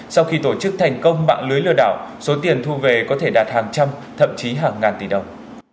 sau khi tổ chức thành công mạng lưới lừa đảo số tiền thu về có thể đạt hàng trăm thậm chí hàng ngàn tỷ đồng